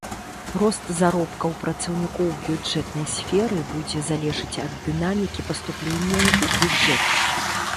Рост заробкаў працаўнікоў бюджэтнай сферы будзе залежаць ад дынамікі паступленняў у бюджэт.